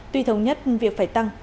tuy thống nhất việc phải tăng